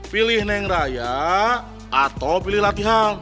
pilih neng raya atau pilih latihan